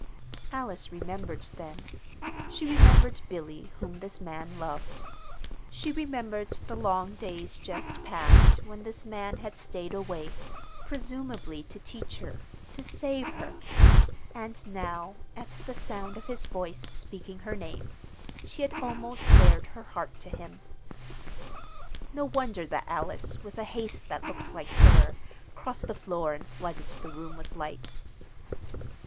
Alice remembered then. She remembered Billy, whom this man loved. She remembered the long days just passed when this man had stayed away, presumably to teach her to save her. And now, at the sound of his voice speaking her name, she had almost bared her heart to him. No wonder that Alice, with a haste that looked like terror, crossed the floor and flooded the room with light.